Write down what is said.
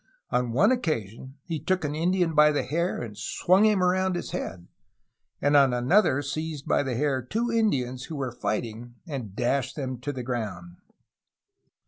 On one occasion he took an Indian by the hair and swung him around his head, and on another seized by the hair two Indians who were fighting and dashed them to the ground.